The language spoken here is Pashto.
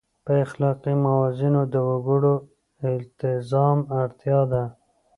په اخلاقي موازینو د وګړو التزام اړتیا ده.